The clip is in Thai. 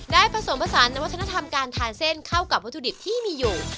ผสมผสานในวัฒนธรรมการทานเส้นเข้ากับวัตถุดิบที่มีอยู่